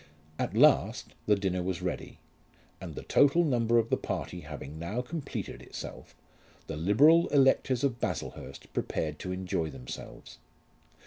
At last the dinner was ready; and the total number of the party having now completed itself, the liberal electors of Baslehurst prepared to enjoy themselves.